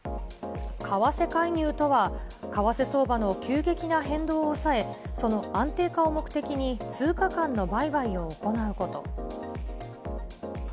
為替介入とは、為替相場の急激な変動を抑え、その安定化を目的に通貨間の売買を行うこと。